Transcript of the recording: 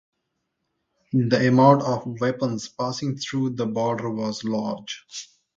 The amount of weapons passing through the border was large.